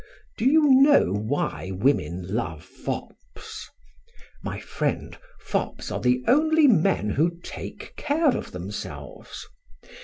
"Do you know why women love fops? My friend, fops are the only men who take care of themselves.